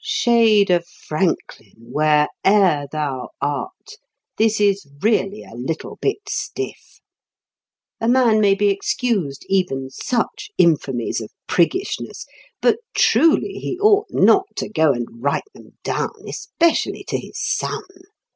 Shade of Franklin, where'er thou art, this is really a little bit stiff! A man may be excused even such infamies of priggishness, but truly he ought not to go and write them down, especially to his son.